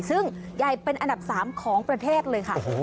ซึ่งใหญ่เป็นอันดับ๓ของประเทศเลยค่ะ